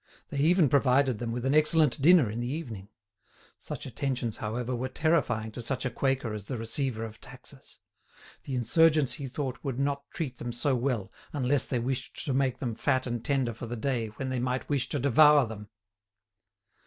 They even provided them with an excellent dinner in the evening. Such attentions, however, were terrifying to such a quaker as the receiver of taxes; the insurgents he thought would not treat them so well unless they wished to make them fat and tender for the day when they might wish to devour them.